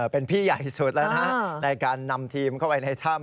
เป็นพี่ใหญ่สุดแล้วนะในการนำทีมเข้าไปในถ้ำ